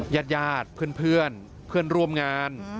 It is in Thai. ญาติพี่นเพื่อนร่วมงาน